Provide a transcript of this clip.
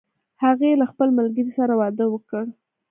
هغې له خپل ملګری سره واده وکړ